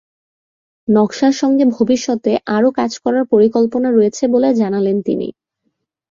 নকশার সঙ্গে ভবিষ্যতে আরও কাজ করার পরিকল্পনা রয়েছে বলে জানালেন তিনি।